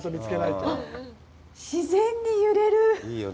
自然に揺れる。